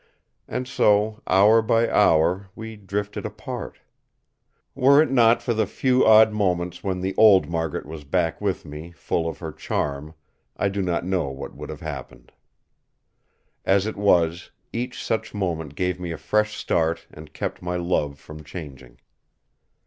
And so hour by hour we drifted apart. Were it not for the few odd moments when the old Margaret was back with me full of her charm I do not know what would have happened. As it was, each such moment gave me a fresh start and kept my love from changing.